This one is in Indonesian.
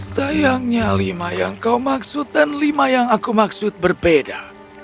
sayangnya lima yang kau maksud dan lima yang aku maksud berbeda